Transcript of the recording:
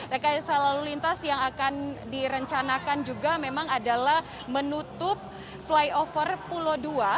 rekayasa lalu lintas yang akan direncanakan juga memang adalah menutup flyover pulau dua